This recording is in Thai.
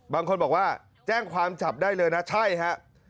บางคนบอกว่าแจ้งความจับได้เลยนะใช่ฮะ